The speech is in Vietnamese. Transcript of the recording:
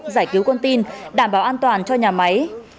giải cứu con tin đảm bảo an toàn cho nhà máy